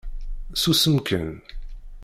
Susem kan!